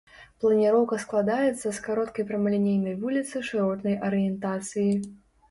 Планіроўка складаецца з кароткай прамалінейнай вуліцы шыротнай арыентацыі.